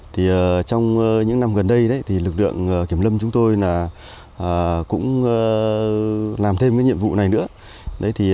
trong những năm gần đây lực lượng kiểm lâm chúng tôi cũng làm thêm nhiệm vụ này nữa